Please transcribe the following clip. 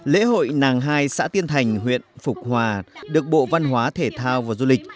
lễ hội nàng hai xã tiên thành huyện phục hòa được bộ văn hóa thể thao và du lịch